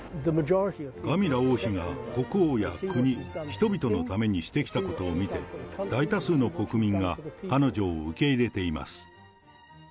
カミラ王妃が国王や国、人々のためにしてきたことを見て、大多数の国民が彼女を受け入れています。